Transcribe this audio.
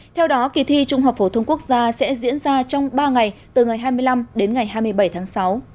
theo đó kỳ thi trung học phổ thông quốc gia sẽ diễn ra trong ba ngày từ ngày hai mươi năm đến ngày hai mươi bảy tháng sáu